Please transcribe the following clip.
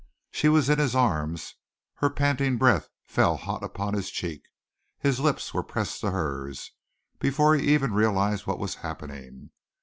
She was in his arms, her panting breath fell hot upon his cheek, his lips were pressed to hers, before he even realized what was happening.